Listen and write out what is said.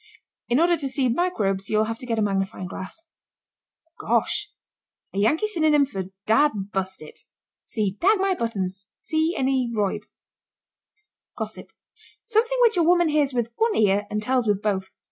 In order to see microbes you'll have to get a magnifying glass. GOSH. A Yankee synonym for dad bust it! See dag my buttons! See any Reub. GOSSIP. Something which a woman hears with one ear and tells with both.